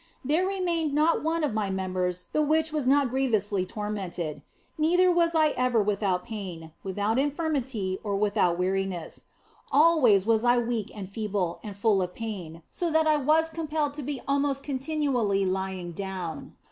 There re mained not one of my members the which was not grievously tormented ; neither was I ever without pain, without infirmity, or without weariness. Always was I weak and feeble, and full of pain, so that I was compelled to be almost continually lying down.